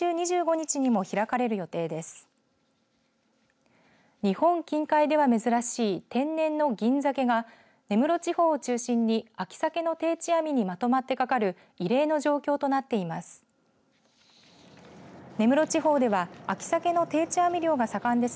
日本近海では珍しい天然のギンザケが根室地方を中心に秋サケの定置網にまとまってかかる異例の状況となっています。